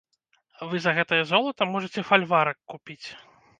Вы за гэтае золата можаце фальварак купіць!